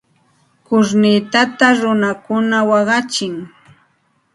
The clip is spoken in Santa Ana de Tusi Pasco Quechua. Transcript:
Kurnitata runakuna waqachin.